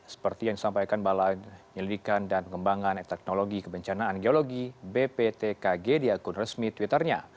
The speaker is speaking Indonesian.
seperti yang disampaikan balai penyelidikan dan pengembangan teknologi kebencanaan geologi bptkg di akun resmi twitternya